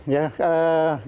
ya kita semua satu